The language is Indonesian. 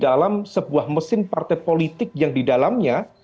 dari sebuah mesin politik yang di dalamnya